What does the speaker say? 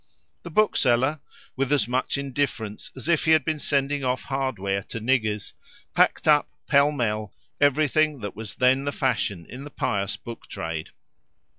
The bookseller, with as much indifference as if he had been sending off hardware to niggers, packed up, pellmell, everything that was then the fashion in the pious book trade.